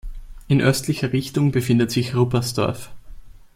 In östlicher Richtung befindet sich Ruppersdorf.